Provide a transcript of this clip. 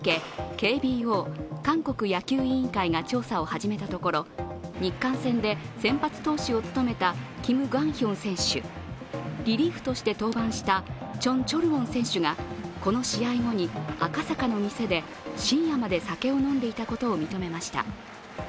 ＫＢＯ＝韓国野球委員会が調査を始めたところ日韓戦で先発投手を務めたキム・グァンヒョン選手、リリーフとして登板したチョン・チョルウォン選手がこの試合後に赤坂の店で深夜まで酒を飲んでいたことを認めました。